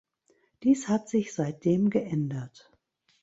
Dies hat sich seitdem geändert.